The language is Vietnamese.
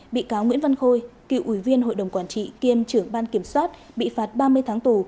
bị cáo nguyễn văn khôi cựu ủy viên hội đồng quản trị kiêm trưởng ban kiểm soát bị phạt ba mươi tháng tù